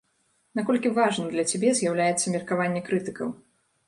Наколькі важным для цябе з'яўляецца меркаванне крытыкаў?